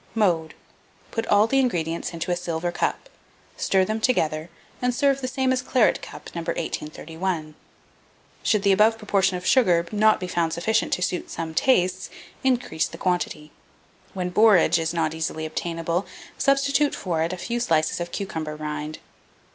Mode. Put all the ingredients into a silver cup; stir them together, and serve the same as claret cup No. 1831. Should the above proportion of sugar not be found sufficient to suit some tastes, increase the quantity. When borage is not easily obtainable, substitute for it a few slices of cucumber rind.